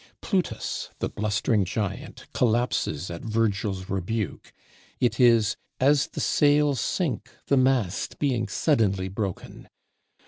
Plutus, the blustering giant, collapses at Virgil's rebuke; it is "as the sails sink, the mast being suddenly broken."